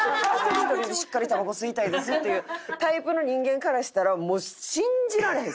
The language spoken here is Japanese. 「１人でしっかりタバコ吸いたいです」っていうタイプの人間からしたらもう信じられへん。